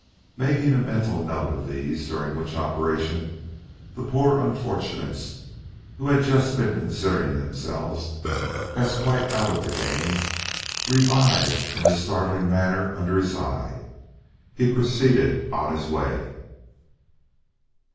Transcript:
Making a mental note of these, during which operation the poor unfortunates who had just been considering themselves as quite out of the game revived in a startling manner under his eye, he proceeded on his way.